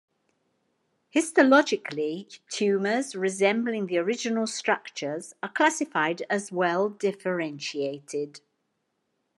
Histologically, tumours resembling the original structures are classified as well differentiated.